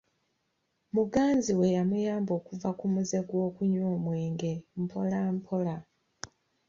Muganzi we yamuyamba okuva ku muze gw'okunywa omwengwe mpola mpola.